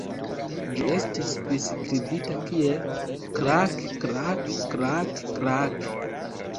Ĝi estis priskribita kiel "kraak-kraak-kraak-kraak".